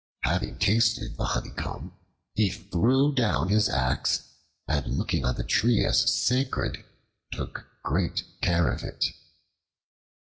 Having tasted the honeycomb, he threw down his axe, and looking on the tree as sacred, took great care of it.